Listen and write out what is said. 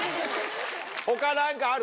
他何かある？